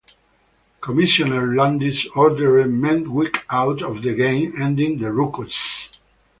Commissioner Landis ordered Medwick out of the game, ending the ruckus.